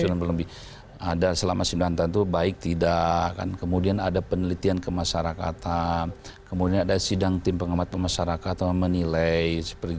ada selama sembilan tahun itu baik tidak kemudian ada penelitian ke masyarakat kemudian ada sidang tim pengamat masyarakat menilai